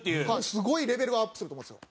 すごいレベルがアップすると思うんですよ。